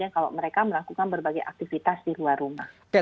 kalau mereka melakukan berbagai aktivitas di luar rumah